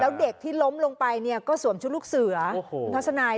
แล้วเด็กที่ล้มลงไปก็สวมชุดลูกเสือทศนาย